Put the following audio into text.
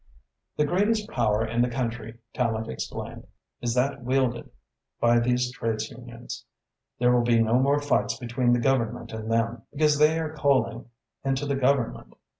"The greatest power in the country," Tallente explained, "is that wielded by these trades unions. There will be no more fights between the Government and them, because they are coaling into the Government.